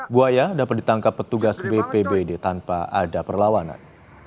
buaya dapat ditangkap petugas bpbd tanpa ada perlawanan